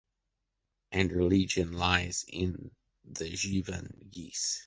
Anderlingen lies in the Zeven Geest.